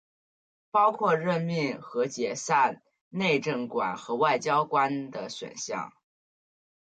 包括任命和解任内政管和外交官的选项。